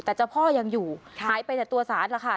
แต่เจ้าพ่อยังอยู่หายไปแต่ตัวสารแล้วค่ะ